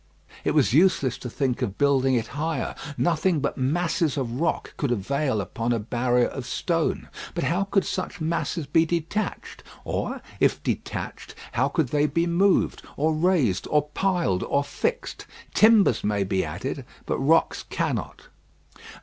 It was useless to think of building it higher. Nothing but masses of rock could avail upon a barrier of stone; but how could such masses be detached? or, if detached, how could they be moved, or raised, or piled, or fixed? Timbers may be added, but rocks cannot.